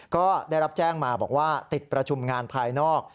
ก็ได้รับแจ้งมาบอกว่าติดประชุมงานภายนอก